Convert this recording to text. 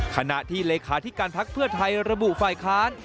ขณะที่เลขาธิการพักเพื่อไทยระบุฝ่ายค้าน